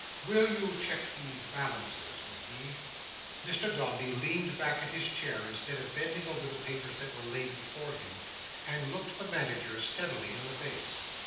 Will you check these balances with me?" Mr Dombey leaned back in his chair, instead of bending over the papers that were laid before him, and looked the Manager steadily in the face.